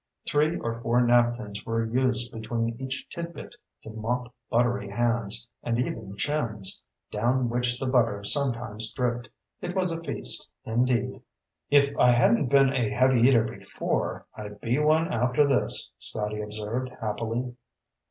Three or four napkins were used between each tidbit to mop buttery hands, and even chins, down which the butter sometimes dripped. It was a feast, indeed. "If I hadn't been a heavy eater before, I'd be one after this," Scotty observed happily.